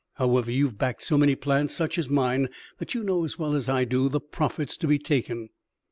However, you have backed so many plants such as mine that you know, as well as I do, the big profits to be taken."